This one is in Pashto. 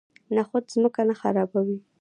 نخود ځمکه نه خرابوي.